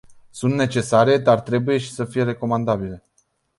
Sunt necesare, dar trebuie și să fie recomandabile.